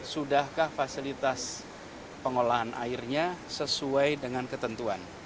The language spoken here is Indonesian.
sudahkah fasilitas pengolahan airnya sesuai dengan ketentuan